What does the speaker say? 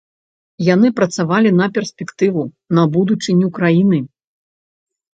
Яны працавалі на перспектыву, на будучыню краіны.